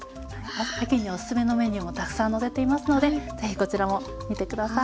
秋におすすめのメニューもたくさん載せていますので是非こちらも見て下さい。